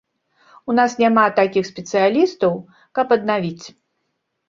У нас няма такіх спецыялістаў, каб аднавіць.